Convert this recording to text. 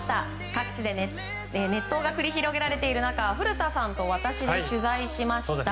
各地で熱投が繰り広げられている中古田さんと私で取材しました。